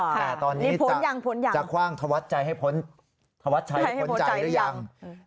แต่ตอนนี้จะคว่างธวัดชัยให้พ้นใจหรือยัง